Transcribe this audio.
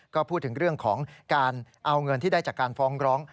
ก็พูดถึงเรื่องของการเอาเงินที่ได้จากการฟ้องร้อง